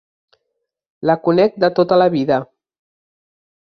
La conec de tota la vida.